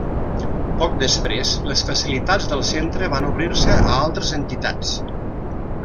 Poc després, les facilitats del centre van obrir-se a altres entitats.